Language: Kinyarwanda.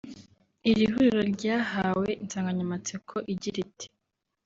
Iri huriro ryahawe insanganyamatsiko igira iti